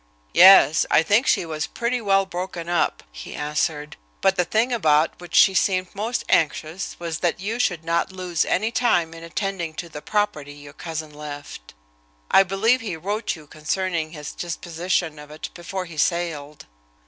"Yes, I think she was pretty well broken up," he answered, "but the thing about which she seemed most anxious was that you should not lose any time in attending to the property your cousin left. I believe he wrote you concerning his disposition of it before he sailed."